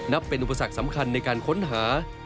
เป็นอุปสรรคสำคัญในการค้นหา